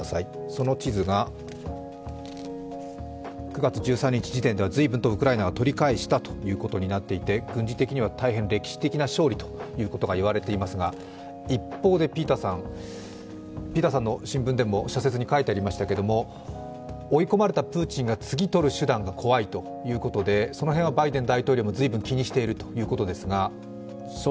その地図が９月１３日時点で、ずいぶんウクライナが取り返したということで軍事的には大変歴史的な勝利と言われていますが、一方で、ピーターさんの新聞でも社説に書いてありましたが、追い込まれたプーチンが次とる手段が怖いということで、その辺はバイデン大統領もずいぶん気にしているということですが。